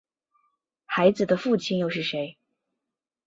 孩子的父亲又是谁？